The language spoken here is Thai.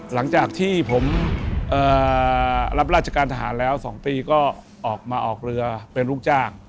หลังจากที่ผมรับราชการทหารแล้ว๒ปีก็ออกมาออกเรือเป็นลูกจ้าง